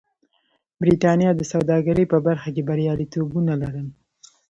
برېټانیا د سوداګرۍ په برخه کې بریالیتوبونه لرل.